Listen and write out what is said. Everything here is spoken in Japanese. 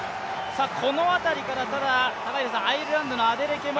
この辺りから、アイルランドのアデレケも。